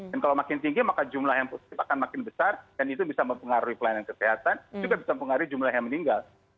dan kalau makin tinggi maka jumlah yang positif akan makin besar dan itu bisa mempengaruhi pelayanan kesehatan juga bisa mempengaruhi jumlah yang meninggal